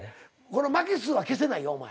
この負け数は消せないよお前。